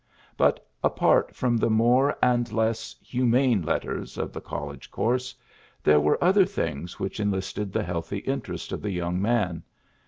But, apart from the more and less ^'hu mane letters^' of the college course, there were other things which enlisted the healthy interest of the young man.